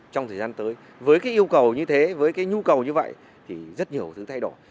trong thời gian tới với cái yêu cầu như thế với cái nhu cầu như vậy thì rất nhiều sự thay đổi